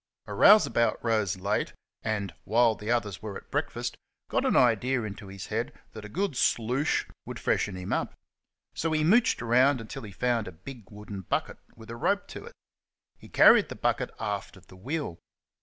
A rouseabout rose late, and, while the others were at breakfast, got an idea into his head that a good "sloosh" would freshen him up; so he mooched round until he found a big wooden bucket with a rope to it. He carried the bucket aft of the wheel.